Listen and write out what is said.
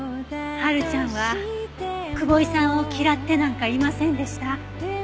ハルちゃんは久保井さんを嫌ってなんかいませんでした。